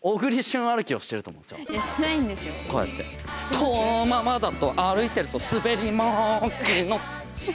このままだと歩いてると滑りまきの！